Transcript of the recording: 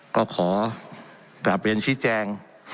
ก็ขอกลับเรียนชี้แจง